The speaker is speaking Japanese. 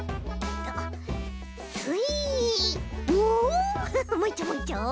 もういっちょもういっちょ。